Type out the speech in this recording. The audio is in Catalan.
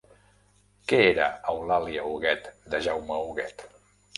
Què era Eulàlia Huguet de Jaume Huguet?